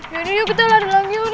yaudah yuk kita lari lagi yuk